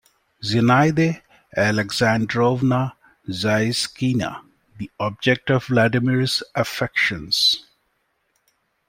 Zinaida Alexandrovna Zasyekina - The object of Vladimir's affections.